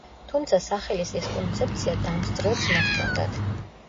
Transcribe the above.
თუმცა სახელის ეს კონცეფცია დამსწრეებს მოსწონდათ.